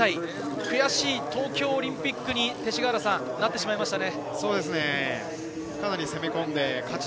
悔しい東京オリンピックになってしまいましたね。